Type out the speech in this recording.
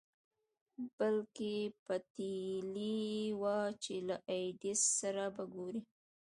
بلکې پتېيلې يې وه چې له ايډېسن سره به ګوري.